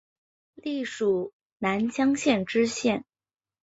历署南江县知县。